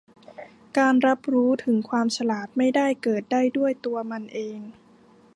การรับรู้ถึงความฉลาดไม่ได้เกิดได้ด้วยตัวมันเอง